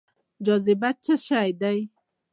جاذبه څه شی دی؟